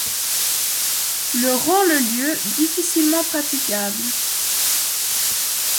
Le rend le lieu difficilement praticable.